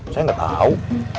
saya gak tau